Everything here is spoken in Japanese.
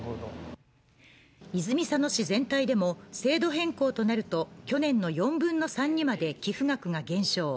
泉佐野市全体でも制度変更となると去年の４分の３にまで寄付額が減少。